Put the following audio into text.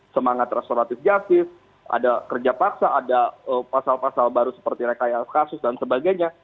semangat restoratif justice ada kerja paksa ada pasal pasal baru seperti rekayasa kasus dan sebagainya